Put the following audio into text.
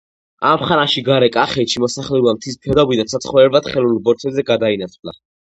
ამ ხანაში გარე კახეთში მოსახლეობამ მთის ფერდობიდან საცხოვრებლად ხელოვნურ ბორცვებზე გადაინაცვლა.